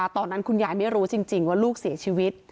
ตอนนั้นคุณยายไม่รู้จริงว่าลูกเสียชีวิต